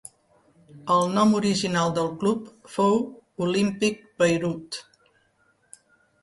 El nom original del club fou Olympic Beirut.